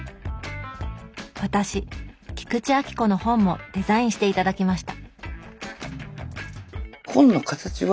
私菊池亜希子の本もデザインして頂きました！